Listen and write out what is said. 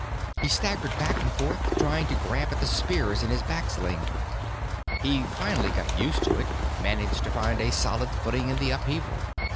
He staggered back and forth, trying to grab at the spears in his back sling. He finally got used to it, managed to find a solid footing in the upheaval.